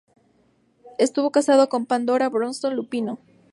Estuvo casado con Pandora Bronson Lupino.